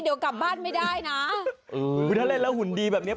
เดี๋ยวกลับบ้านไม่ได้นะเออถ้าเล่นแล้วหุ่นดีแบบเนี้ย